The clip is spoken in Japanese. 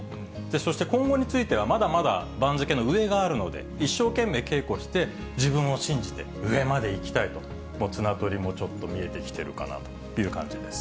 そして今後についてはまだまだ番付の上があるので、一生懸命稽古して、自分を信じて、上まで行きたいと、綱取りもちょっと見えてきてるかなという感じです。